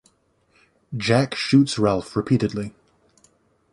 Jack shoots Ralph repeatedly.